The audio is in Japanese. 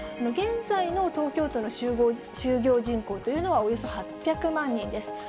現在の東京都の就業人口というのは、およそ８００万人です。